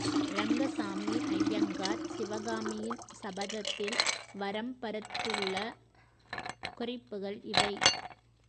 ரங்கசாமி ஐயங்கார் சிவகாமியின் சபத த்தில் வரம்பறுத்துள்ள குறிப்புக்கள் இவை.